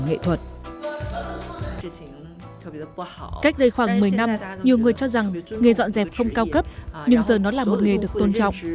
cách đây khoảng một mươi năm nhiều người cho rằng nghề dọn dẹp không cao cấp nhưng giờ nó là một nghề được tôn trọng